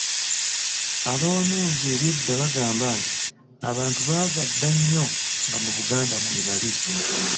Abawanuuza eby'edda bagamba nti abantu baava dda nnyo nga mu Buganda mwebali.